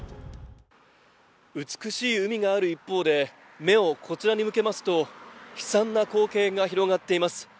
美しい海がある一方で、目をこちらに向けますと悲惨な光景が広がっています。